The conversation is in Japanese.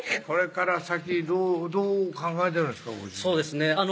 これから先どう考えてるんですかご主人そうですね